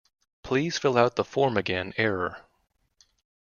Please fill out the form again error.